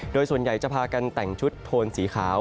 โดยส่วนใหญ่จะพากันแต่งชุดโทนสีขาว